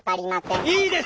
いいですか！